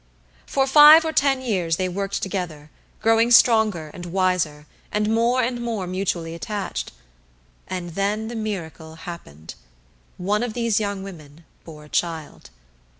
For five or ten years they worked together, growing stronger and wiser and more and more mutually attached, and then the miracle happened one of these young women bore a child.